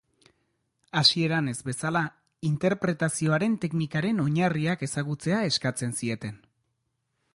Hasieran ez bezala, interpretazioaren teknikaren oinarriak ezagutzea eskatzen zieten.